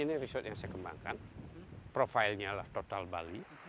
ini resort yang saya kembangkan profilenya adalah total bali